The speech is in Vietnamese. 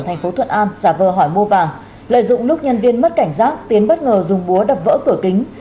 thành phố thuận an giả vờ hỏi mua vàng lợi dụng lúc nhân viên mất cảnh giác tiến bất ngờ dùng búa đập vỡ cửa kính